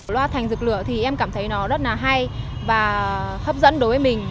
loa thành dược lửa thì em cảm thấy nó rất là hay và hấp dẫn đối với mình